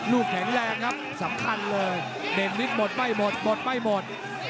แข็งแรงครับสำคัญเลยเด่นนิดหมดไม่หมดหมดไม่หมด